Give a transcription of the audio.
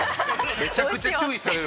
めちゃくちゃ注意されるよ